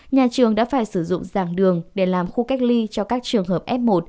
nhà trường đã phải sử dụng giảng đường để làm khu cách ly cho các trường hợp f một